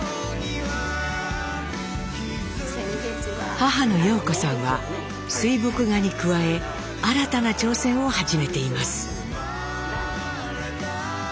母の様子さんは水墨画に加え新たな挑戦を始めています。